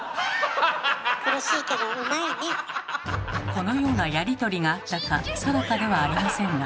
このようなやり取りがあったか定かではありませんが。